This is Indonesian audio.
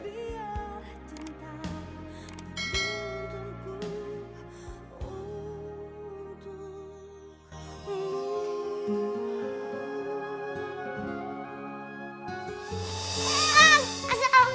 biar cinta untukku